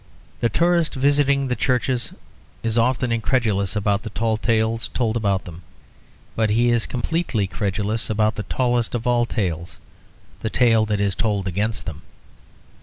The tourist visiting the churches is often incredulous about the tall tales told about them; but he is completely credulous about the tallest of all the tales, the tale that is told against them.